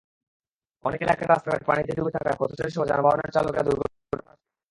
অনেক এলাকার রাস্তাঘাট পানিতে ডুবে থাকায় পথচারীসহ যানবাহনের চালকেরা দুর্ঘটনার শিকার হচ্ছেন।